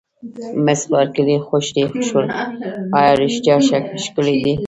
مس بارکلي: خوښ دې شول، ایا رښتیا ښکلي دي؟